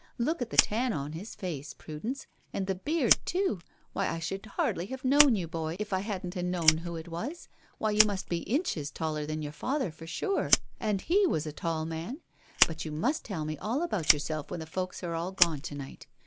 Look at the tan on his face, Prudence, and the beard too. Why, I should hardly have known you, boy, if I hadn't 'a known who it was. Why, you must be inches taller than your father for sure and he was a tall man. But you must tell me all about yourself when the folks are all gone to night.